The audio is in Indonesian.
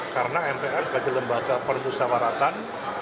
karena mpr sebagai lembaga permusawaratan